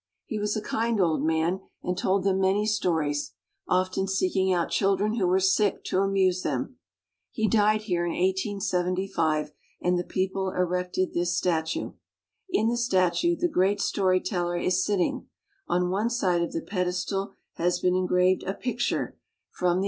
He was a kind old man and told them many stories, often seeking out children who were sick to amuse them. He died here in 1875, and the people then erected this statue. In the statue the great story teller is sitting ; on one side of the pedestal has been engraved a picture from " The 1 62 SCANDINAVIA.